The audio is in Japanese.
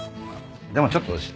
でもちょっと。